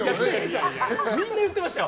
みんな言ってました。